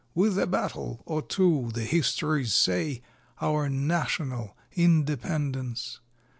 _ (With a battle or two, the histories say,) Our National Independence!